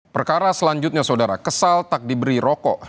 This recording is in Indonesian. perkara selanjutnya saudara kesal tak diberi rokok